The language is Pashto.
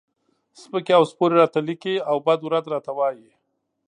سپکې او سپورې راته لیکي او بد و رد راته وایي.